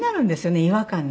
違和感に。